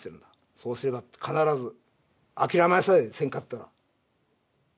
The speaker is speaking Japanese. そうすれば必ず諦めさえせんかったら頑張れる。